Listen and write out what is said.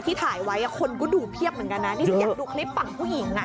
ที่ถ่ายไว้คนก็ดูเพียบเหมือนกันอยากดูคลิปฝั่งผู้หญิง